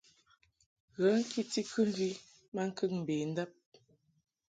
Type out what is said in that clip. Ghə ŋkiti kɨmvi maŋkəŋ mbendab.